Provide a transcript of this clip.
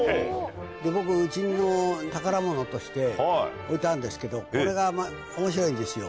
で僕うちの宝物として置いてあるんですけどこれが面白いんですよ。